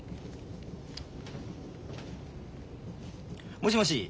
もしもし。